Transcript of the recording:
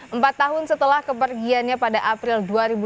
empat tahun setelah kepergiannya pada april dua ribu dua puluh